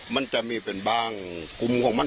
มันจะมีเป็นบางกลุ่มของมัน